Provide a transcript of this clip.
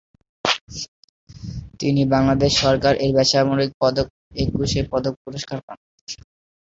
তিনি বাংলাদেশ সরকার এর বেসামরিক পদক একুশে পদক পুরস্কার পান।